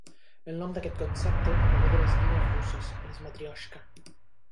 El nom d'aquest concepte prové de les nines russes, les Matrioshka.